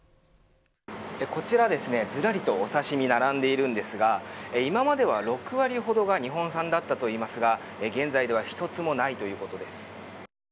こちらですね、ずらりとお刺身が並んでいるんですが今までは６割ほどが日本産だったといいますが現在では一つもないということです。